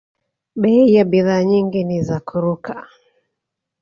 Bei ya bidhaa nyingi ni za kuruka